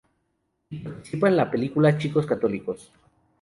Y participa en la película "Chicos Católicos".